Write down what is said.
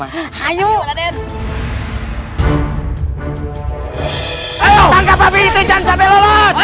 ayo ke pen itu